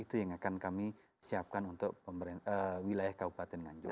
itu yang akan kami siapkan untuk wilayah kabupaten nganjuk